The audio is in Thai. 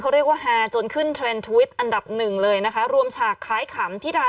เขาเรียกว่าจนขึ้นอันดับหนึ่งเลยนะคะรวมฉากขายขำธิดา